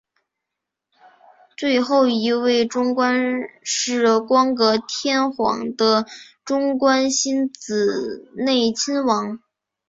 最后一位中宫是光格天皇的中宫欣子内亲王。